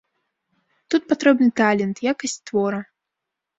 Тут патрэбны талент, якасць твора.